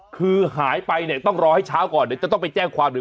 คือหายไปเนี่ยต้องรอให้เช้าก่อนเดี๋ยวจะต้องไปแจ้งความหรือ